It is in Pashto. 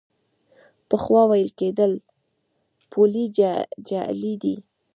پخوا ویل کېدل پولې جعلي دي.